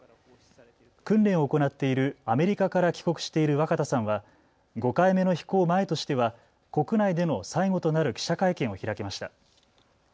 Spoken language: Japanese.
訓練を行っているアメリカから帰国している若田さんは５回目の飛行前としては国内での最後となる記者会見を開きました。